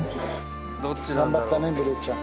頑張ったね、ブルーちゃん。